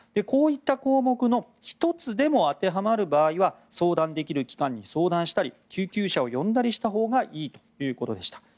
こういった項目の１つでも当てはまる場合は相談できる機関に相談したり救急車を呼んだほうがいいということでした。